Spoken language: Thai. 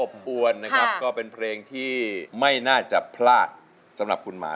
อวนนะครับก็เป็นเพลงที่ไม่น่าจะพลาดสำหรับคุณหมา